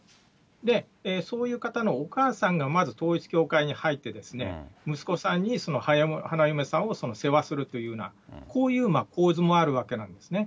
で、そういう方のお母さんがまず統一教会に入って、息子さんに花嫁さんを世話するというような、こういう構図もあるわけなんですね。